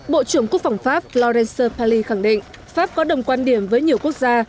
bộ trưởng quốc phòng pháp florence pagli khẳng định pháp có đồng quan điểm với nhiều quốc gia